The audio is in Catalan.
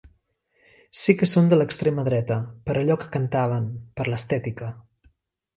Sé que són de l’extrema dreta, per allò que cantaven, per l’estètica.